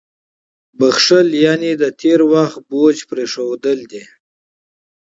• بښل یعنې د ماضي بوج پرېښودل.